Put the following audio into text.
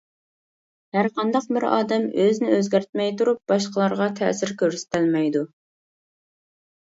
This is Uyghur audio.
ھەرقانداق بىر ئادەم ئۆزىنى ئۆزگەرتمەي تۇرۇپ باشقىلارغا تەسىر كۆرسىتەلمەيدۇ.